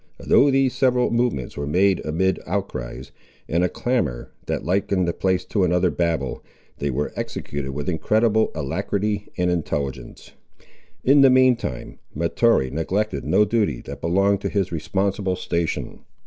Though these several movements were made amid outcries, and a clamour, that likened the place to another Babel, they were executed with incredible alacrity and intelligence. In the mean time, Mahtoree neglected no duty that belonged to his responsible station.